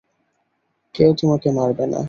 কেউ তোমাকে মারবে না।